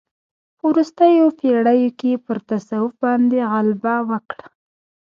په وروستیو پېړیو کې پر تصوف باندې غلبه وکړه.